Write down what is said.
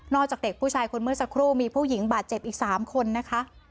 จากเด็กผู้ชายคนเมื่อสักครู่มีผู้หญิงบาดเจ็บอีก๓คนนะคะ